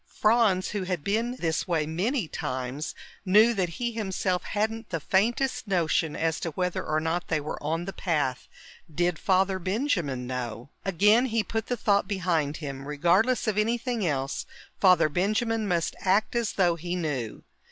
Franz, who had been this way many times, knew that he himself hadn't the faintest notion as to whether or not they were on the path. Did Father Benjamin know? Again he put the thought behind him. Regardless of anything else, Father Benjamin must act as though he knew.